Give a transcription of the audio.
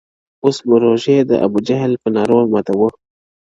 • اوس به روژې د ابوجهل په نارو ماتوو -